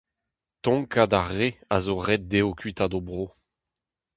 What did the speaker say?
Tonkad ar re a zo ret dezho kuitaat o bro.